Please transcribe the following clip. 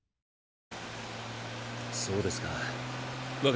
そうですか。